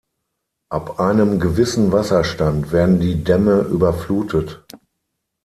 Ab einem gewissen Wasserstand werden die Dämme überflutet.